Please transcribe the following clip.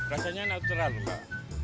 rasanya natural mbak